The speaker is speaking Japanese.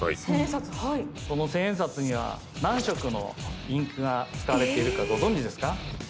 この千円札には何色のインクが使われているかご存じですか？